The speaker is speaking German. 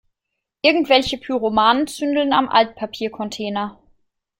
Irgendwelche Pyromanen zündeln am Altpapiercontainer.